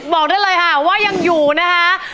บอกได้เลยค่ะว่ายังอยู่นะคะ